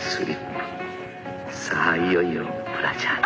さあいよいよブラジャー。